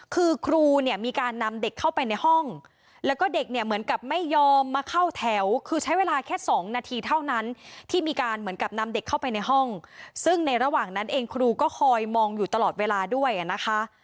คือครูเนี่ยมีการนำเด็กเข้าไปในห้องแล้วก็เด็กเนี่ยเหมือนกับไม่ยอมมาเข้าแถวคือใช้เวลาแค่๒นาทีเท่านั้นที่มีการเหมือนกับนำเด็กเข้าไปในห้องซึ่งในระหว่างนั้นเองครูก็คอยมองอยู่ตลอดเวลาด้วยนะคะ